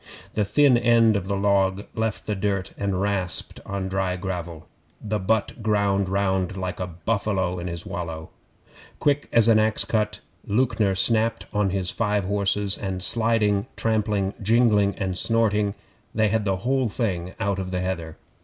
The thin end of the log left the dirt and rasped on dry gravel. The butt ground round like a buffalo in his wallow. Quick as an axe cut, Lewknor snapped on his five horses, and sliding, trampling, jingling, and snorting, they had the whole thing out on the heather.